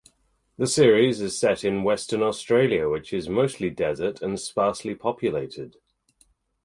The series is set in Western Australia which is mostly desert and sparsely populated.